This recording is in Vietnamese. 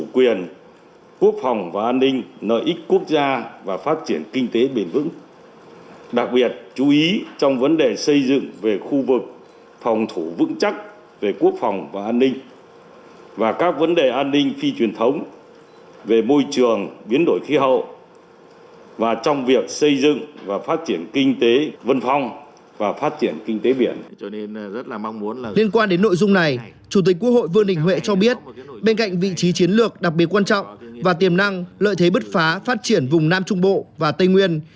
quan đến nội dung này chủ tịch quốc hội vương đình huệ cho biết bên cạnh vị trí chiến lược đặc biệt quan trọng và tiềm năng lợi thế bứt phá phát triển vùng nam trung bộ và tây nguyên